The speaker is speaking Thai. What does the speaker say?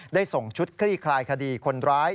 ส่งชุดคลี่คลายคดีคนร้าย